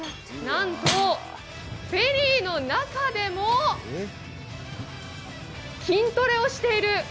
なんと、フェリーの中でも筋トレをしている。